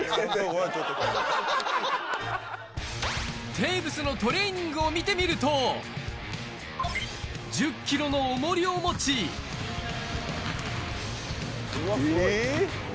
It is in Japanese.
テーブスのトレーニングを見てみると１０ｋｇの重りを持ちえ！